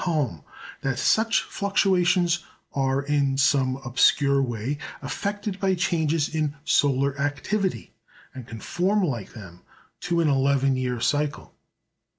Halm that such fluctuations are, in some obscure way, affected by changes in solar activity, and conform like them to an eleven year cycle.